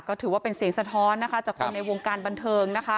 ก็ถือเป็นเสียงสะท้อนจากคนในวงการบันเทิง